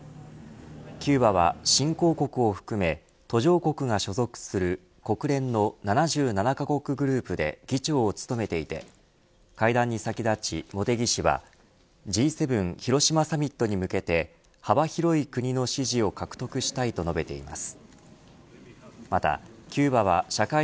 キューバは新興国を含め途上国が所属する国連の７７カ国グループで議長を務めていて会談に先立ち、茂木氏はＧ７広島サミットに向けて金曜日のお天気をお伝えします。